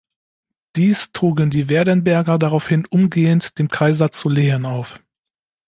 Dies trugen die Werdenberger daraufhin umgehend dem Kaiser zu Lehen auf.